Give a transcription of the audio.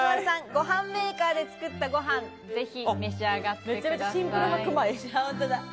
ごはんメーカーで作ったご飯、ぜひ召し上がってください。